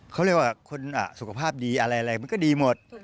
เขาเรียกว่าคนสุขภาพดีอะไรมันก็ดีหมด